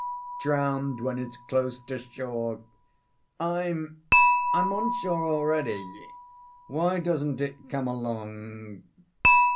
Drowned when it's close to shore. I'm I'm on shore already. Why doesn't it come along?"